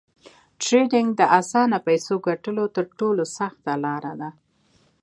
ټریډینګ د اسانه فیسو ګټلو تر ټولو سخته لار ده